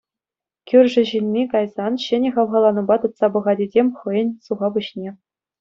Кӳршӗ ҫынни кайсан ҫӗнӗ хавхаланупа тытса пӑхать этем хӑйӗн суха пуҫне.